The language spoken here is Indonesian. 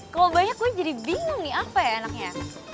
kalau banyak gue jadi bingung nih apa ya anaknya